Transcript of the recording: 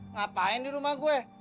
ngapain di rumah gue